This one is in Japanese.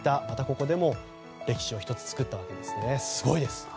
またここでも歴史を１つ作ったということです。